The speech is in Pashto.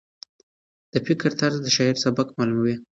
د فکر طرز د شاعر سبک معلوموي.